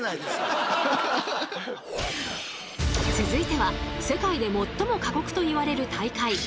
続いては世界で最も過酷といわれる大会